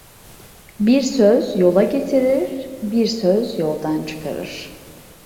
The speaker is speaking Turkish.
Bir söz yola getirir, bir söz yoldan çıkarır.